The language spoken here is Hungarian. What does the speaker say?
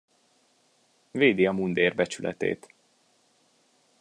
Védi a mundér becsületét.